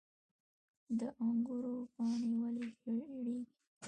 د انګورو پاڼې ولې ژیړیږي؟